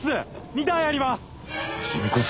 ２体あります！